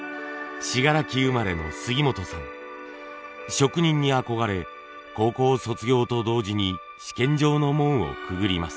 職人に憧れ高校卒業と同時に試験場の門をくぐります。